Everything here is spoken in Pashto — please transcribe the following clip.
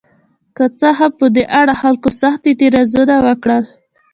که څه هم په دې اړه خلکو سخت اعتراضونه وکړل.